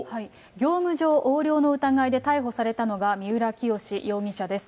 業務上横領の疑いで逮捕されたのが、三浦清志容疑者です。